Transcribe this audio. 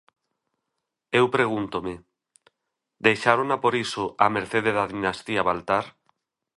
E eu pregúntome: ¿deixárona por iso á mercede da dinastía Baltar?